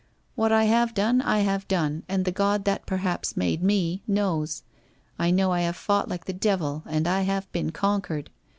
What I have done I have done, and the God that perhaps made me, knows. I know I have fought like the devil and I have been conquered.